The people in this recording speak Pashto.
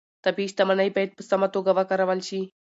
طبیعي شتمنۍ باید په سمه توګه وکارول شي